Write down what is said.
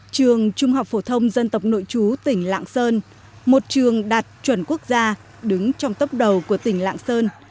trường trung học phổ thông dân tộc nội chú tỉnh lạng sơn một trường đạt chuẩn quốc gia đứng trong tốc đầu của tỉnh lạng sơn